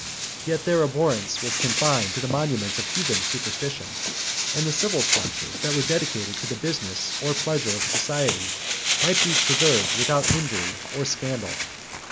Yet their abhorrence was confined to the monuments of heathen superstition; and the civil structures that were dedicated to the business or pleasure of society might be preserved without injury or scandal.